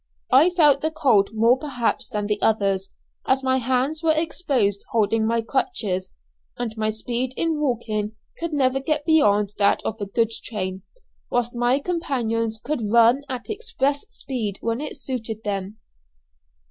I felt the cold more perhaps than the others, as my hands were exposed holding my crutches, and my speed in walking could never get beyond that of a goods train, whilst my companions could run at express speed when it suited them.